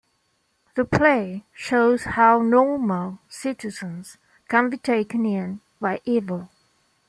The play shows how "normal" citizens can be taken in by evil.